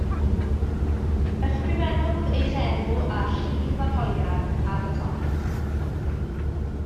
Ysgrifennwch eich enw a rhif arholiad ar y top